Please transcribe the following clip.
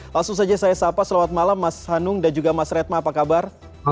langsung saja saya sapa selamat malam mas hanung dan juga mas retma apa kabar